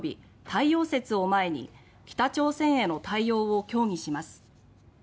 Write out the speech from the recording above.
「太陽節」を前に北朝鮮への対応を協議します。